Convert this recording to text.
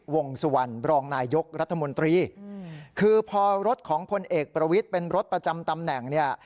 วงสุวรรณบรองนายยกรัฐมนตรีคือพอรถของพลเอกประวิทย์เป็นรถประจำตำแหน่งเนี่ย